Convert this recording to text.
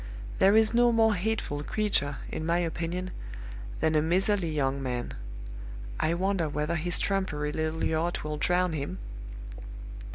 There is no more hateful creature, in my opinion, than a miserly young man. I wonder whether his trumpery little yacht will drown him?